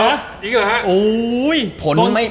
จริงหรือครับ